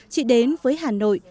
chị đến với hà nội